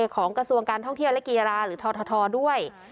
ของกระทรวงการท่องเที่ยวและกีฬาหรือททด้วย